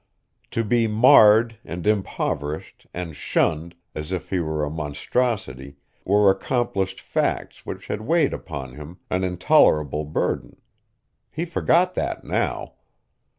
To be marred and impoverished and shunned as if he were a monstrosity were accomplished facts which had weighed upon him, an intolerable burden. He forgot that now.